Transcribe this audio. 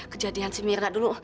kejadian si myrna dulu